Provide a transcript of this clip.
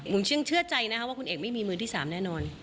ผมเชื่อใจนะคะว่าคุณเอกไม่มีมือที่๓แน่นอน